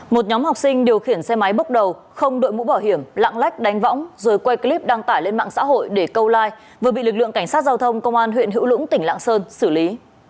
một nhóm học sinh điều khiển xe máy bốc đầu không đội mũ bảo hiểm lạng lách đánh võng rồi quay clip đăng tải lên mạng xã hội để câu like vừa bị lực lượng cảnh sát giao thông công an huyện hữu lũng tỉnh lạng sơn xử lý